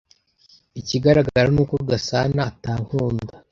Ikigaragara ni uko Gasana atankunda.